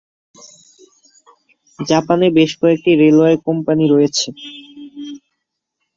জাপানে বেশ কয়েকটি রেলওয়ে কোম্পানি রয়েছে।